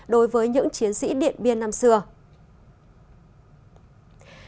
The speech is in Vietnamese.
đối với những chiến sĩ điện biên năm xưa